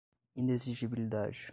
inexigibilidade